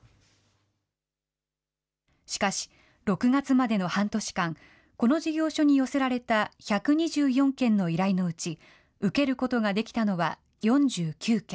しかし、６月までの半年間、この事業所に寄せられた１２４件の依頼のうち、受けることができたのは４９件。